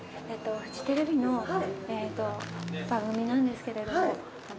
フジテレビの番組なんですけれども。